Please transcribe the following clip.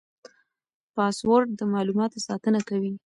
پاسورډ د معلوماتو ساتنه کوي.